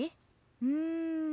うん。